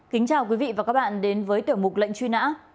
kính chào quý vị và các bạn đến với tiểu mục lệnh truy nã